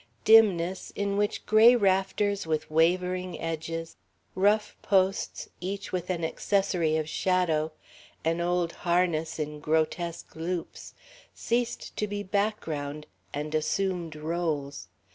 Dimness in which gray rafters with wavering edges, rough posts each with an accessory of shadow, an old harness in grotesque loops, ceased to be background and assumed rôles.